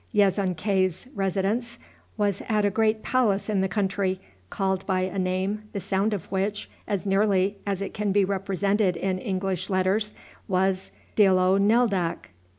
Yezonkai's residence was at a great palace in the country, called by a name, the sound of which, as nearly as it can be represented in English letters, was Diloneldak.